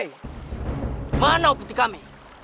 hei di mana suruhan implemented kami